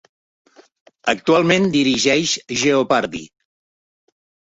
Actualment dirigeix "Jeopardy!".